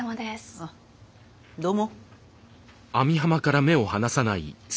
あっどうも。